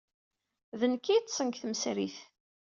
D nekk ay yeḍḍsen deg tmesrit.